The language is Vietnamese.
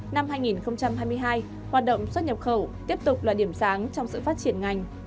năm hai nghìn hai mươi hai hoạt động xuất nhập khẩu tiếp tục là điểm sáng trong sự phát triển ngành